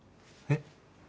えっ？